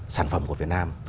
sản phẩm của việt nam